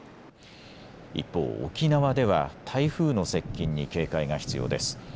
一方、沖縄では台風の接近に警戒が必要です。